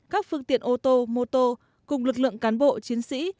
các phương tiện ô tô mô tô cùng lực lượng cán bộ chiến sĩ